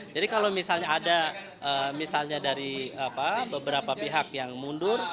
jadi kalau misalnya ada dari beberapa pihak yang mundur